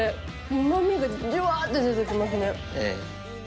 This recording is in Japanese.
うまみがじゅわって出てきますね。